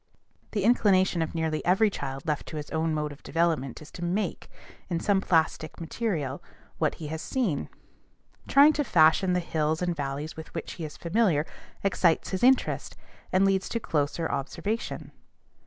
The inclination of nearly every child left to his own mode of development is to make, in some plastic material, what he has seen. Trying to fashion the hills and valleys with which he is familiar excites his interest, and leads to closer observation.